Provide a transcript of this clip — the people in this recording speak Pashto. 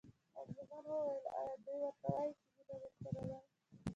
خان زمان وویل: ایا دی ورته وایي چې مینه درسره لرم؟